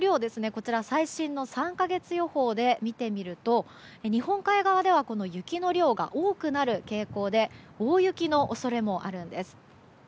こちら最新の３か月予報で見てみると日本海側では雪の量が多くなる傾向で大雪の恐れもあるんです。